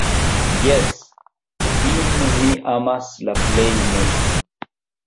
Jes, vin mi amas la plej multe!